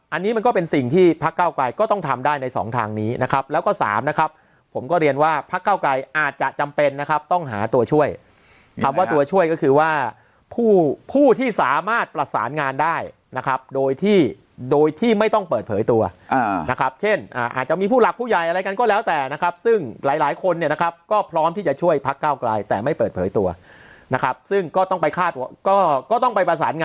อันนี้มันก็เป็นสิ่งที่พักก้าวกลายก็ต้องทำได้ในสองทางนี้นะครับแล้วก็สามนะครับผมก็เรียนว่าพักก้าวกลายอาจจะจำเป็นนะครับต้องหาตัวช่วยคำว่าตัวช่วยก็คือว่าผู้ที่สามารถประสานงานได้นะครับโดยที่ไม่ต้องเปิดเผยตัวนะครับเช่นอาจจะมีผู้หลักผู้ใหญ่อะไรกันก็แล้วแต่นะครับซึ่งหลายคนเนี่ยนะครับก็พร้